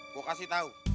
gue kasih tau